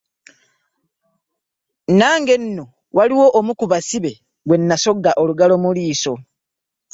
Nange nno waliwo omu ku basibe gwe nasogga olugalo mu liiso.